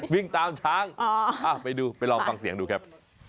วิ่งตามช้างไปดูไปลองฟังเสียงดูครับ